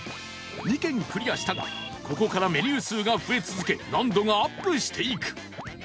２軒クリアしたがここからメニュー数が増え続け難度がアップしていく